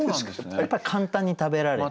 やっぱり簡単に食べられて。